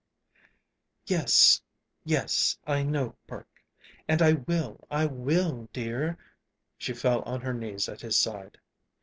"Yes, yes, I know, Burke; and I will, I will, dear." She fell on her knees at his side.